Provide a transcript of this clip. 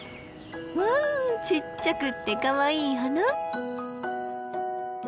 わあちっちゃくってかわいい花！